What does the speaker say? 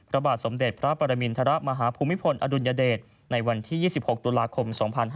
ระบาดสมเด็จพระปรมินทรมาฮภูมิพลอดุลยเดชในวันที่๒๖ตุลาคม๒๕๕๙